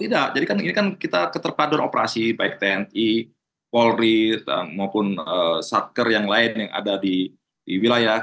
tidak jadi kan ini kan kita keterpaduan operasi baik tni polri maupun satker yang lain yang ada di wilayah